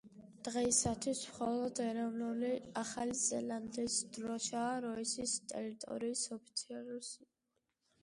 დღეისათვის, მხოლოდ ეროვნული ახალი ზელანდიის დროშაა როსის ტერიტორიის ოფიციალური სიმბოლო.